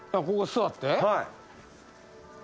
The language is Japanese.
ここ座って？